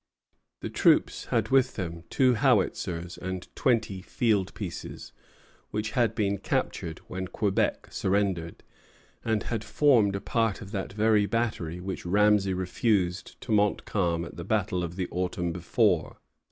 The troops had with them two howitzers and twenty field pieces, which had been captured when Quebec surrendered, and had formed a part of that very battery which Ramesay refused to Montcalm at the battle of the autumn before.